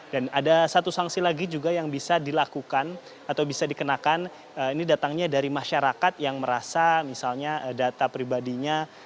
dan ada satu sanksi lagi juga yang bisa dilakukan atau bisa dikenakan ini datangnya dari masyarakat yang merasa misalnya data pribadinya